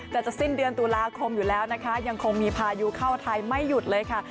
แต่จะสิ้นเดือนตุลาคมอยู่แล้วนะคะยังคงมีพายุเข้าไทยไม่หยุดเลยค่ะ